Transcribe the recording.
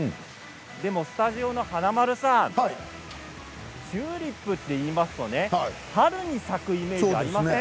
でもスタジオの華丸さんチューリップといいますと春に咲くイメージがありません？